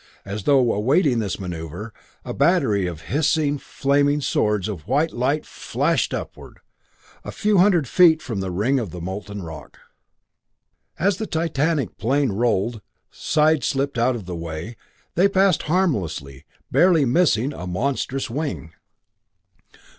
As though awaiting this maneuver, a battery of hissing, flaming swords of white light flashed upward, a few hundred feet from the ring of molten rock. As the titanic plane rolled, side slipped out of the way, they passed, harmlessly, barely missing a monstrous wing.